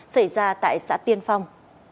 xảy ra tại xã tiên phong